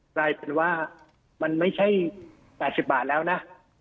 กลายเป็นว่ามันไม่ใช่๘๐บาทแล้วนะ